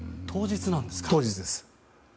当日です。